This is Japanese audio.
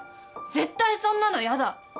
絶対そんなのやだ！